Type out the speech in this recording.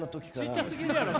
ちっちゃすぎるやろ！